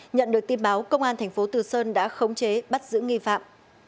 nhận được tin báo công an tp từ sơn đã khống chế bắt giữ nghi phạm